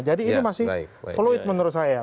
jadi ini masih fluid menurut saya